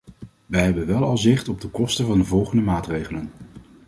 Wij hebben wel al zicht op de kosten van de volgende maatregelen.